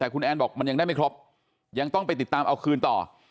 แต่คุณแอนบอกมันยังได้ไม่ครบยังต้องไปติดตามเอาคืนต่อ